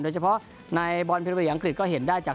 โดยเฉพาะในบอลเพลิอังกฤษก็เห็นได้จาก